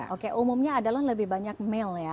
oke umumnya adalah lebih banyak mail ya